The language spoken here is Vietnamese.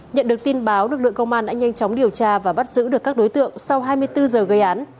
nhận được tin báo lực lượng công an đã nhanh chóng điều tra và bắt giữ được các đối tượng sau hai mươi bốn giờ gây án